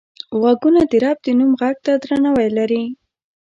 غوږونه د رب د نوم غږ ته درناوی لري